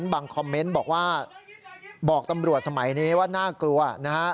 คอมเมนต์บอกว่าบอกตำรวจสมัยนี้ว่าน่ากลัวนะฮะ